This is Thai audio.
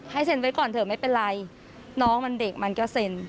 เซ็นไว้ก่อนเถอะไม่เป็นไรน้องมันเด็กมันก็เซ็น